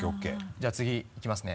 じゃあ次いきますね。